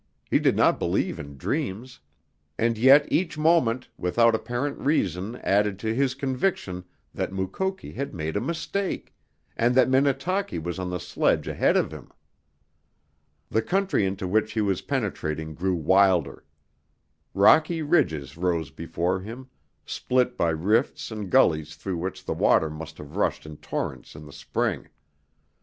He did not believe in dreams. And yet each moment, without apparent reason added to his conviction that Mukoki had made a mistake, and that Minnetaki was on the sledge ahead of him. The country into which he was penetrating grew wilder. Rocky ridges rose before him, split by rifts and gullies through which the water must have rushed in torrents in the spring.